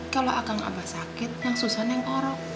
kalau akang abah sakit yang susah neng orok